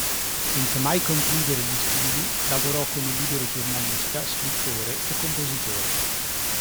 Senza mai concludere gli studi, lavorò come libero giornalista, scrittore e compositore.